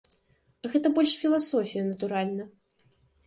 Гэта больш філасофія, натуральна.